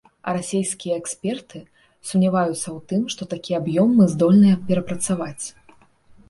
А расійскія эксперты сумняваюцца ў тым, што такі аб'ём мы здольныя перапрацаваць.